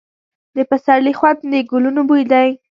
د پسرلي خوند د ګلونو بوی دی.